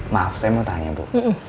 maaf saya mau tanya bu